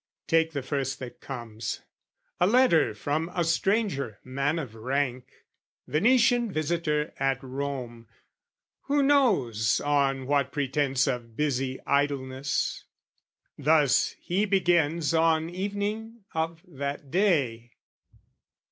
Take the first that comes. A letter from a stranger, man of rank, Venetian visitor at Rome, who knows, On what pretence of busy idleness? Thus he begins on evening of that day.